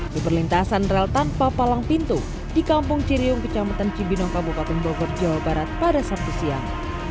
di perlintasan rel tanpa palang pintu di kampung ciriung kecamatan cibinong kabupaten bogor jawa barat pada sabtu siang